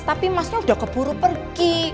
tapi masnya udah keburu pergi